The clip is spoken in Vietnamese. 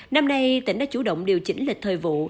năm nay tỉnh đã chủ động điều chỉnh lịch thời vụ